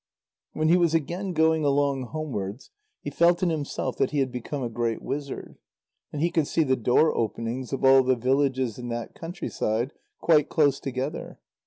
When he was again going along homewards, he felt in himself that he had become a great wizard, and he could see the door openings of all the villages in that countryside quite close together.